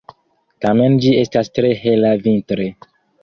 Tamen ĝi estas tre hela vintre.